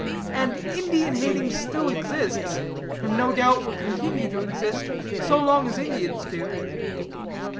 And Indian hating still exists; and, no doubt, will continue to exist, so long as Indians do.